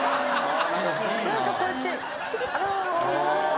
何かこうやって。